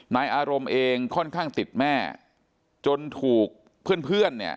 นายอารมณ์เองค่อนข้างติดแม่จนถูกเพื่อนเพื่อนเนี่ย